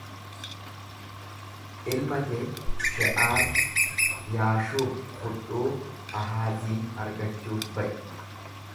Ilma kee She'aar Yaashuub fudhuu Ahaaziin argachuuf ba'i.